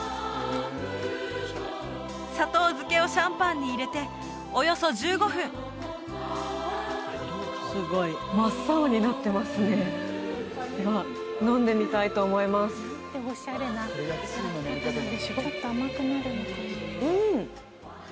砂糖漬けをシャンパンに入れておよそ１５分真っ青になってますねでは飲んでみたいと思いますうん！